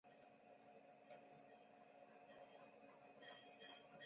由于拱的内弧面大量不规则的变形导致了目前拱的形状。